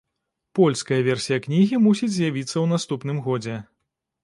Польская версія кнігі мусіць з'явіцца ў наступным годзе.